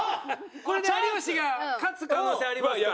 これで有吉が勝つ可能性ありますから。